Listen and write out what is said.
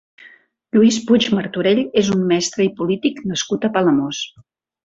Lluís Puig Martorell és un mestre i polític nascut a Palamós.